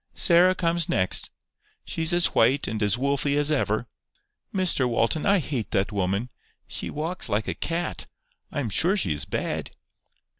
"Sarah comes next. She's as white and as wolfy as ever. Mr Walton, I hate that woman. She walks like a cat. I am sure she is bad."